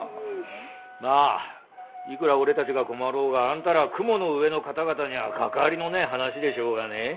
まあいくら俺たちが困ろうがあんたら雲の上の方々にゃ関わりのねえ話でしょうがね。